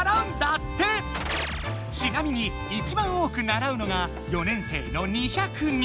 ちなみにいちばん多くならうのが４年生の２０２！